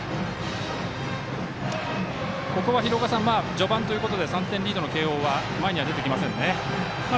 序盤ということで３点リードの慶応は前には出てきませんね。